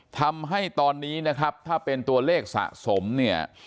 ทำให้ตอนนี้นะครับถ้าเป็นตัวเลขสะสมเนี่ย